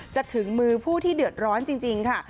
ถึงมือผู้ที่เดือดร้อนจริงค่ะ